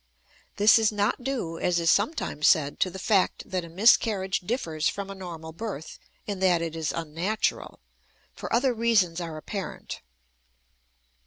This is not due, as is sometimes said, to the fact that a miscarriage differs from a normal birth in that it is unnatural, for other reasons are apparent.